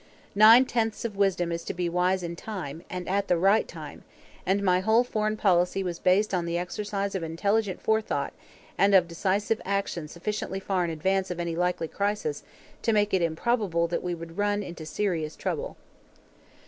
Nine tenths of wisdom is to be wise in time, and at the right time; and my whole foreign policy was based on the exercise of intelligent forethought and of decisive action sufficiently far in advance of any likely crisis to make it improbable that we would run into serious trouble.